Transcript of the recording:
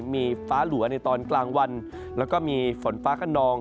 มีฟ้าหลัวในตอนกลางวันแล้วก็มีฝนฟ้าขนอง